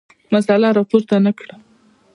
مسله راپورته نه کړه.